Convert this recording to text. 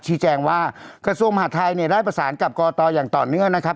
แจ้งว่ากระทรวงมหาทัยเนี่ยได้ประสานกับกตอย่างต่อเนื่องนะครับ